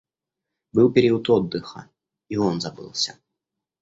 Был период отдыха, и он забылся.